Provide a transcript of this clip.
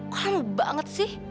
kamu banget sih